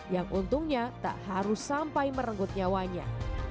yang untungnya tak harus sampai merenggut nyawanya